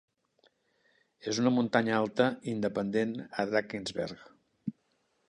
És una muntanya alta independent a Drakensberg.